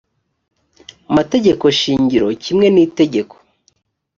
mategeko shingiro kimwe n itegeko